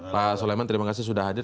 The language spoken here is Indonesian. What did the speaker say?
pak soleman terima kasih sudah hadir